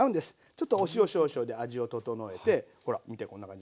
ちょっとお塩少々で味を調えてほら見てこんな感じ。